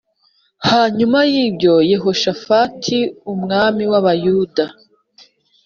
Hanyuma y ibyo Yehoshafati umwami w Abayuda